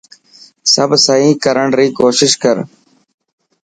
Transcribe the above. سڀ سهي ڪرڻ ري ڪوشش ڪر.